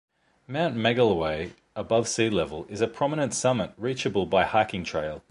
Mount Magalloway, above sea level, is a prominent summit reachable by hiking trail.